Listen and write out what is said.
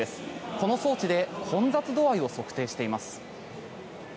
この装置で混雑度合いを測定しています。